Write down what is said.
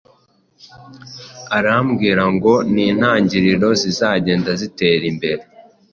arambwira ngo n’ intangiriro zizagenda zitera imbere